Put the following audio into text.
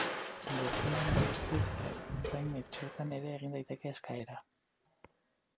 Webgunean ez ezik, ertzain-etxeetan ere egin daiteke eskaera.